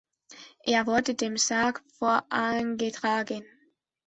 Er wurde dem Sarg vorangetragen.